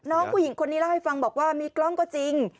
น้องผู้หญิงคนนี้เล่าให้ฟังบอกว่ามีกล้องก็จริง